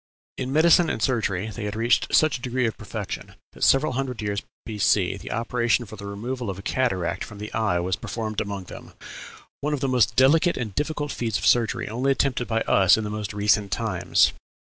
In medicine and surgery they had reached such a degree of perfection that several hundred years B.C. the operation for the removal of cataract from the eye was performed among them; one of the most delicate and difficult feats of surgery, only attempted by us in the most recent times.